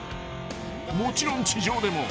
［もちろん地上でも］